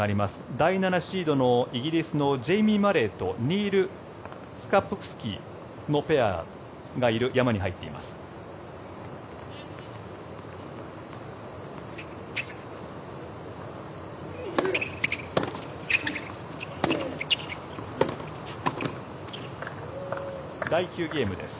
第７シードのイギリスのジェイミー・マレーとニール・スカプスキーのペアがいる山に入っています。